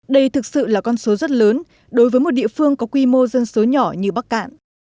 đây thực sự là con số rất lớn đối với một địa phương có quy mô dân số nhỏ như bắc cạn